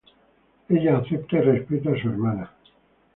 Ella acepta y respeta a su hermana.